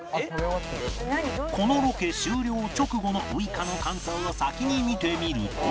このロケ終了直後のウイカの感想を先に見てみると